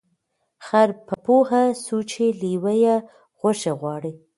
خر په پوه سوچی لېوه یې غوښي غواړي